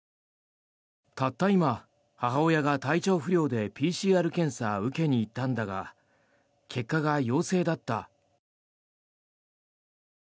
たった今、母親が体調不良でＰＣＲ検査受けに行ったんだが結果が陽性だった。